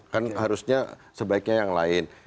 kan harusnya sebaiknya yang lain